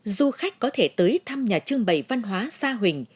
du khách có thể tới thăm nhà trưng bày văn hóa sa huỳnh